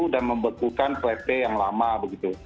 dan membekukan pp yang lama begitu